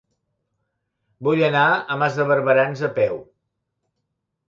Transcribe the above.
Vull anar a Mas de Barberans a peu.